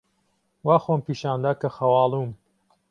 وا خۆم پیشان دا کە خەواڵووم.